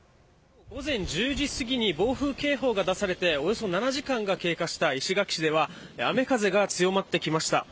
午前１０時すぎに暴風警報が出されておよそ７時間が経過した石垣市では雨風が強まってきました。